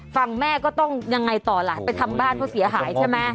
ฝั่งแม่ก็ต้องยังไงต่อล่ะไปทำบ้านเขาเสียหายใช่ไหม